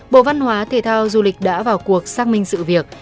bộ văn hóa thể thao du lịch đã vào cuộc xác minh sự việc